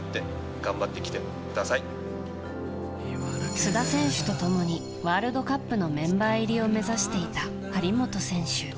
須田選手と共にワールドカップのメンバー入りを目指していた張本選手。